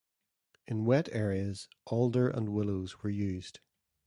In wet areas alder and willows were used.